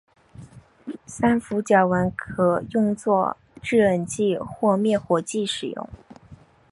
三氟甲烷可用作制冷剂或灭火剂使用。